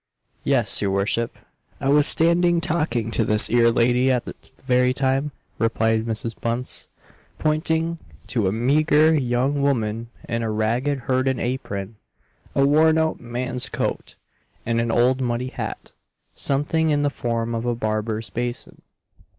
"Yes, your worship I was standing talking to this 'ere lady at the very time," replied Mrs. Bunce, pointing to a meagre young woman in a ragged hurden apron, a worn out man's coat, and an old muddy hat, something in the form of a barber's basin.